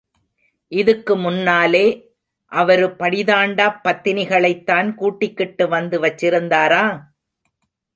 இதுக்கு முன்னாலே அவரு படிதாண்டாப் பத்தினிகளைத் தான் கூட்டிக்கிட்டு வந்து வச்சிருந்தாரா?